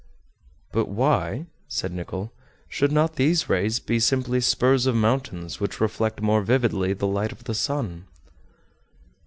"But why," said Nicholl, "should not these rays be simply spurs of mountains which reflect more vividly the light of the sun?"